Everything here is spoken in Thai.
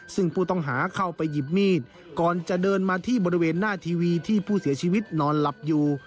ซึ่งผู้ต้องหาเข้าไปหยิบมีดก่อนจะเดินมาที่บริเวณหน้าทีวีที่ผู้เสียชีวิตนอนหลับอยู่